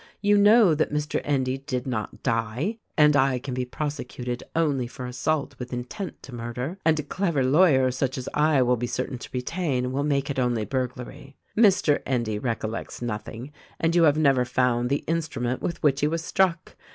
You know that Mr. Endy did not die, and I can be prosecuted only for assault with intent to murder; and a clever lawyer such as I will be certain to retain, will make it only burglary. Mr. Endy recollects nothing, and you have never found the instrument with which he was struck.'